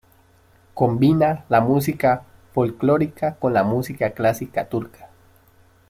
Combina la música folclórica con la música clásica turca.